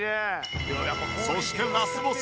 そしてラスボス！